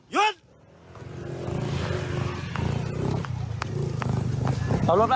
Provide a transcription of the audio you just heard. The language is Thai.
ยอด